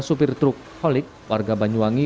supir truk holik warga banyuwangi